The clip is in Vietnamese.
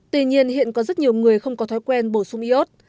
tuy nhiên hiện có rất nhiều người không có thói quen bổ sung iốt